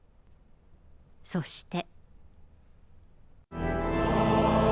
そして。